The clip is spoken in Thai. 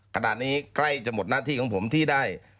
ขณะนี้ใกล้จะหมดหน้าที่ของผมที่ได้